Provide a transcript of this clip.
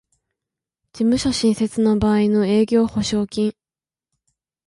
事務所新設の場合の営業保証金